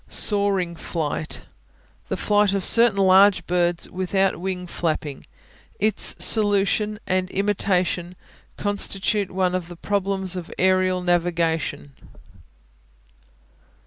Soaring Flight The flight of certain large birds without wing flapping. Its solution and imitation constitute one of the problems of aerial navigation.